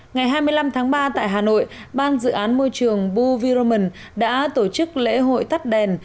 ngày hai mươi năm tháng ba tại hà nội ban dự án môi trường boo v roman đã tổ chức lễ hội tắt đèn